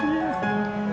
karena aku punya